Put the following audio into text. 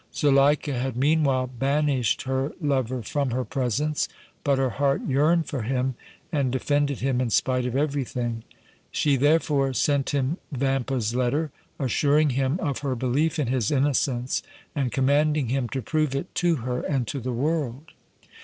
Zuleika had meanwhile banished her lover from her presence, but her heart yearned for him and defended him in spite of everything. She therefore sent him Vampa's letter, assuring him of her belief in his innocence and commanding him to prove it to her and to the world.